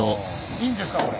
いいんですかこれ。